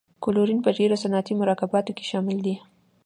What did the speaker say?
کلورین په ډیرو صنعتي مرکباتو کې شامل دی.